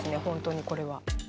本当にこれは。